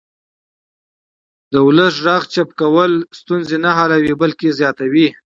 د ولس غږ چوپ کول ستونزې نه حلوي بلکې یې زیاتوي